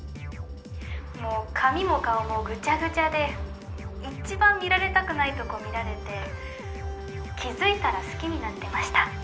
もう髪も顔もぐちゃぐちゃで一番見られたくないとこ見られて気づいたら好きになってました。